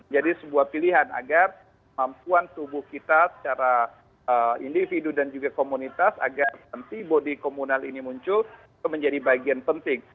jadi sebuah pilihan agar kemampuan tubuh kita secara individu dan juga komunitas agar nanti body komunal ini muncul menjadi bagian penting